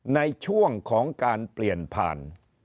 ในช่วงของการเปลี่ยนผ่าน